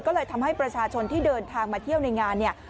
ก็เลยทำให้ประชาชนที่เดินทางมาเที่ยวในงานเนี่ย